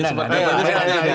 ini seperti ini